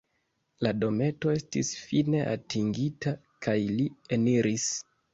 La dometo estis fine atingita, kaj li eniris.